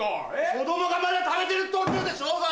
子供がまだ食べてる途中でしょうが。